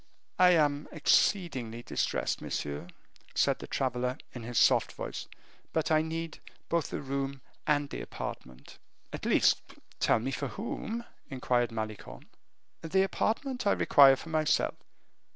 "I am exceedingly distressed, monsieur," said the traveler in his soft voice, "but I need both the room and the apartment." "At least, tell me for whom?" inquired Malicorne. "The apartment I require for myself."